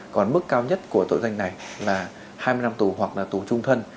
còn mức cao nhất của tội danh này là hai mươi năm tù hoặc là tù trung thân